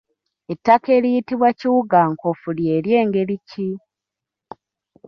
Ettaka eriyitibwa kiwugankofu lye ly'engeri ki?